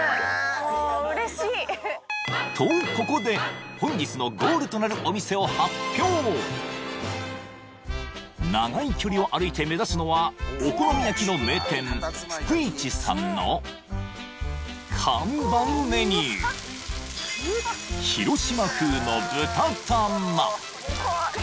もう嬉しいとここで本日のゴールとなるお店を発表長い距離を歩いて目指すのはお好み焼きの名店ぷくいちさんの看板メニュー広島風の豚玉！